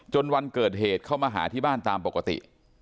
วันเกิดเหตุเข้ามาหาที่บ้านตามปกติ